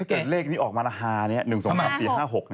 พิเศษเลขนี้ออกมาราคาเนี่ย๑๕๔๕๖